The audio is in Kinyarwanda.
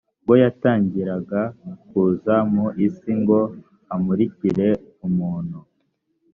bwo yatangiraga kuza mu isi ngo amurikire umuntu